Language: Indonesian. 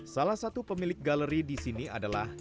salah satu pemilik galeri di sini adalah